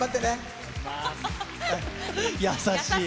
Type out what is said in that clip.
優しい。